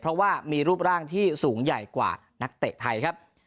เพราะว่ามีรูปร่างที่สูงใหญ่กว่านักเตะไทยครับ